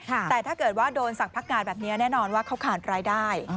แต่ถ้าเกิดว่าโดนสั่งพักงานแบบนี้แน่นอนว่าเขาขาดรายได้